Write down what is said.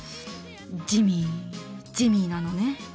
ジミージミーなのね。